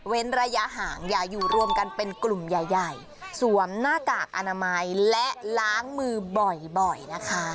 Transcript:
ระยะห่างอย่าอยู่รวมกันเป็นกลุ่มใหญ่สวมหน้ากากอนามัยและล้างมือบ่อยนะคะ